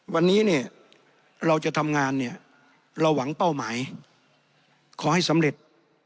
วันนี้เนี่ยเราจะทำงานเนี่ยเราหวังเป้าหมายขอให้สำเร็จ